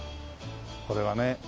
これはね。